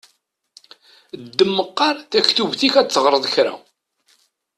Ddem meqqaṛ taktubt-ik ad teɣṛeḍ kra!